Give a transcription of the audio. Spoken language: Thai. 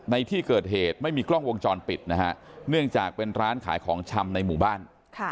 ในที่เกิดเหตุไม่มีกล้องวงจรปิดนะฮะเนื่องจากเป็นร้านขายของชำในหมู่บ้าน